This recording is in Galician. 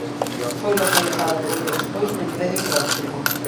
Foi localizado pouco despois nun predio próximo.